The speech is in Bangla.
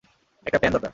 একটা প্ল্যান দরকার।